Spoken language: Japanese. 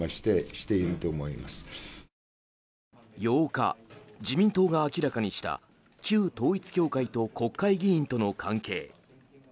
８日、自民党が明らかにした旧統一教会と国会議員との関係。